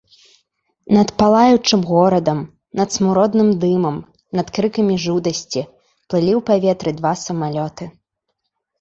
Над палаючым горадам, над смуродным дымам, над крыкамі жудасці плылі ў паветры два самалёты.